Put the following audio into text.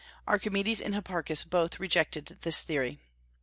Archimedes and Hipparchus both rejected this theory.